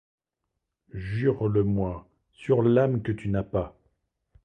Jure-le-moi sur l’âme que tu n’as pas.